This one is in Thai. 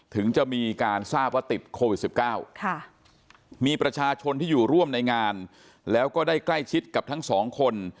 ถึงจะมีการทราบว่าติดโควิด๑๙มีประชาชนที่อยู่ร่วมในงานแล้วก็ได้ใกล้ชิดกับทั้งสองคน